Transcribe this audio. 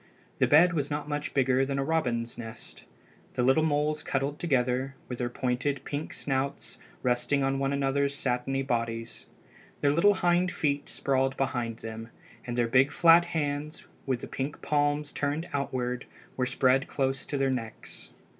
The bed was not much bigger than a robin's nest. The little moles cuddled together, with their pointed pink snouts resting on one another's satiny bodies. Their little hind feet sprawled behind them, and their big flat hands, with the pink palms turned outward, were spread close to their necks.